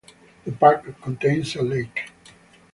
The park contains a lake.